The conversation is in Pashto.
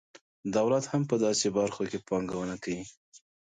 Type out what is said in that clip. دولت هم په داسې برخو کې پانګونه کوي.